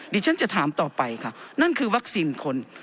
ดิฉันจะถามต่อไปค่ะนั่นคือวัคซีนคน